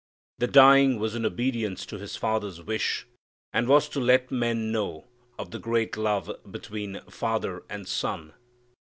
The dying was in obedience to His Father's wish, and was to let men know of the great love between Father and Son.